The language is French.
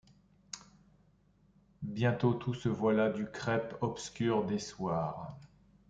Bientôt tout se voila du crêpe obscur des soirs.